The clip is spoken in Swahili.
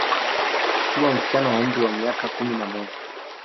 Siwa, msichana wa umri wa miaka kumi na moja.